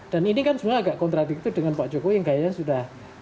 dan ini kan sebenarnya agak kontradiktif dengan pak jokowi yang kayaknya sudah